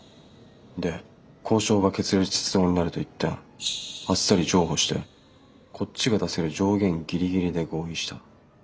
で交渉が決裂しそうになると一転あっさり譲歩してこっちが出せる上限ギリギリで合意した。